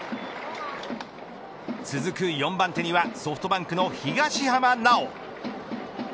続く４番手にはソフトバンクの東浜巨。